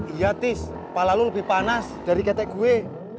iya tis palalu lebih panas dari ketek gue